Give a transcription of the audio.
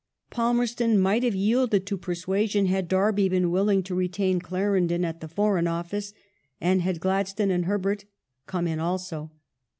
Palmerston might have yielded to pei suasion had Derby been willing to retain Clarendon at the Foreign Office, and had Gladstone and Herbert come in also.